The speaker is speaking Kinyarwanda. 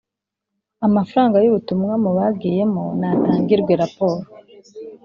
amafaranga y ubutumwa mu bagiyemo natangirwe raporo